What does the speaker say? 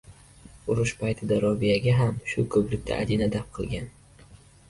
Urush paytida Robiya-ga ham shu ko‘prikda ajina daf qilgan...